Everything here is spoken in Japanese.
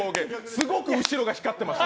すごく後ろが光ってました。